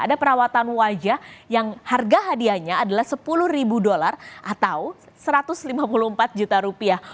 ada perawatan wajah yang harga hadiahnya adalah sepuluh ribu dolar atau satu ratus lima puluh empat juta rupiah